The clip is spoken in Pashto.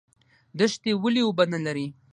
دښتې ولې اوبه نلري؟